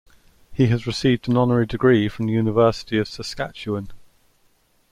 He has received an honorary degree from the University of Saskatchewan.